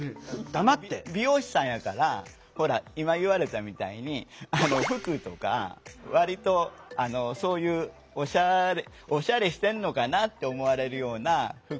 美容師さんやからほら今言われたみたいに服とか割とそういうオシャレしてんのかなって思われるような服。